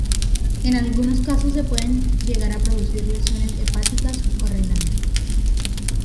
En algunos casos se pueden llegar a producir lesiones hepáticas o renales.